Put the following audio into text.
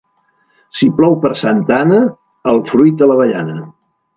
Si plou per Santa Anna, el fruit a l'avellana.